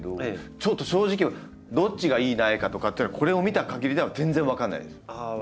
ちょっと正直どっちが良い苗かとかっていうのはこれを見たかぎりでは全然分かんないです。